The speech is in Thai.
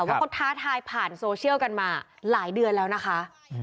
ว่าเขาท้าทายผ่านโซเชียลกันมาหลายเดือนแล้วนะคะ